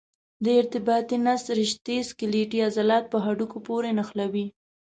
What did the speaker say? د ارتباطي نسج رشتې سکلیټي عضلات په هډوکو پورې نښلوي.